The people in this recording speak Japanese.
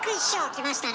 きましたね。